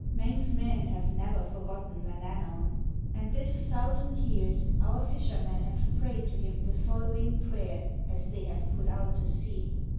Manx men have never forgotten Manannan, and this thousand years our fishermen have prayed to him the following prayer, as they have put out to sea.